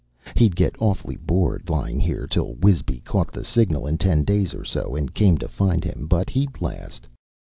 He'd get awfully bored, lying here till Wisby caught the signal in ten days or so and came to find him, but he'd last.